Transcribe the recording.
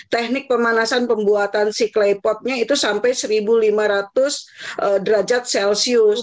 teknik pemanasan pembuatan si klepotnya itu sampai seribu lima ratus derajat celcius